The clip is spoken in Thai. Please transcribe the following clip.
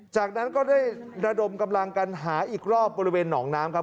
จากนั้นก็ได้ระดมกำลังกันหาอีกรอบบริเวณหนองน้ำครับ